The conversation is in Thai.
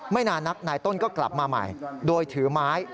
นานนักนายต้นก็กลับมาใหม่โดยถือไม้